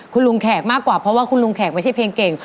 คุณลุงแขกมากกว่าเพราะว่าคุณลุงแขกไม่ใช่เพลงเก่ง